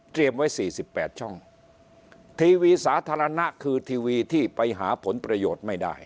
ไว้สี่สิบแปดช่องทีวีสาธารณะคือทีวีที่ไปหาผลประโยชน์ไม่ได้